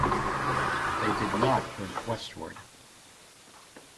They did not push westward.